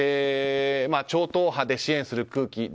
超党派で支援する空気。